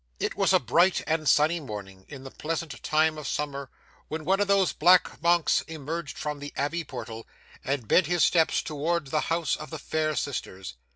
'It was a bright and sunny morning in the pleasant time of summer, when one of those black monks emerged from the abbey portal, and bent his steps towards the house of the fair sisters.